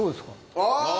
ああ！